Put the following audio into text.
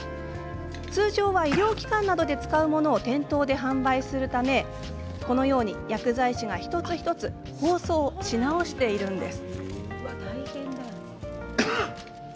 通常、医療機関などで使うものを店頭で販売するため薬剤師が一つ一つ包装し直しています。